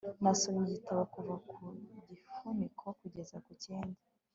nasomye igitabo kuva ku gifuniko kugeza ku kindi